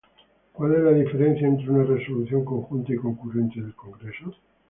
¿Cuál es la diferencia entre una resolución conjunta y concurrente del Congreso?